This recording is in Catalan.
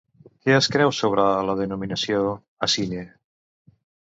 Què es creu sobre la denominació Asine?